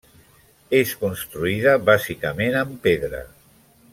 És construïda bàsicament amb pedra.